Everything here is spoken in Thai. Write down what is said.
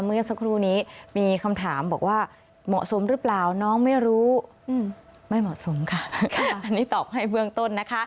เมื่อสักครู่นี้มีคำถามบอกว่าเหมาะสมหรือเปล่าน้องไม่รู้ไม่เหมาะสมค่ะอันนี้ตอบให้เบื้องต้นนะคะ